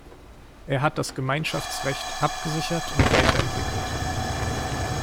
Er hat das Gemeinschaftsrecht abgesichert und weiterentwickelt.